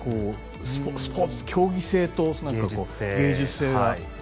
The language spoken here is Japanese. スポーツ、競技性と芸術性が。